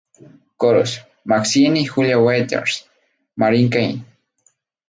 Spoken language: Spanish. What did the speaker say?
Coros: Maxine y Julia Waters, Marie Cain.